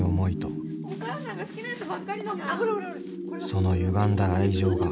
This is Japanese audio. ［そのゆがんだ愛情が］